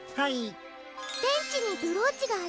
ベンチにブローチがありませんでした？